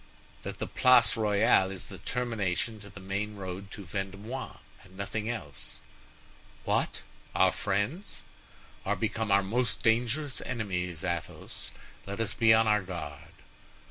"That the Place Royale is the termination to the main road to Vendomois, and nothing else." "What! our friends?" "Are become our most dangerous enemies, Athos. Let us be on our guard."